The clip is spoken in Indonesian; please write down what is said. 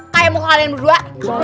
kayak muka kalian berdua